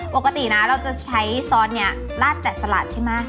ปกตินะเราจะใช้ซอสเนี่ยลาดแต่สลัดใช่ไหม